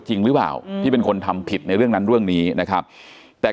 จริงหรือเปล่าที่เป็นคนทำผิดในเรื่องนั้นเรื่องนี้นะครับแต่